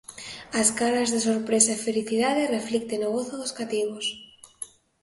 As caras de sorpresa e felicidade reflicten o gozo dos cativos.